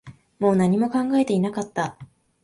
もう何も考えていなかった